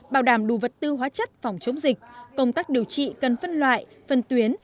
bảo đảm đủ vật tư hóa chất phòng chống dịch công tác điều trị cần phân loại phân tuyến